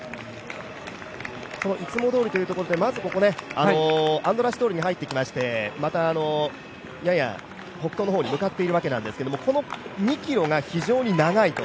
そのいつもどおりというところでまず、アンドラーシ通りに入ってきまして、また、やや北東の方に向かっているわけですけれどもこの２ｋｍが非常に長いと。